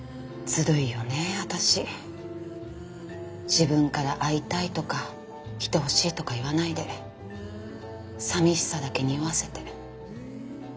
自分から会いたいとか来てほしいとか言わないで寂しさだけにおわせて。